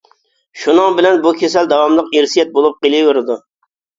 شۇنىڭ بىلەن بۇ كېسەل داۋاملىق ئىرسىيەت بولۇپ قېلىۋېرىدۇ.